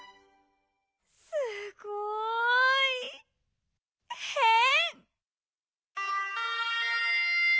すごいへん！